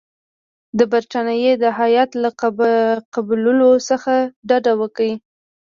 د برټانیې د هیات له قبولولو څخه ډډه وکړه.